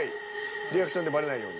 リアクションでバレないように。